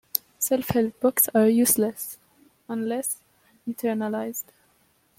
Self-help books are useless unless internalized.